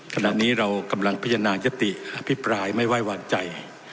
ขณะนี้เรากำลังพิจารณายติอภิปรายไม่ไว้วางใจ